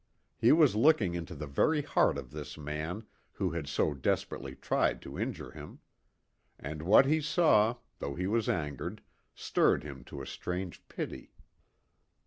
He was looking into the very heart of this man who had so desperately tried to injure him. And what he saw, though he was angered, stirred him to a strange pity.